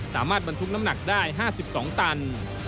สามารถบรรทุกน้ำหนักได้๕๒ตัน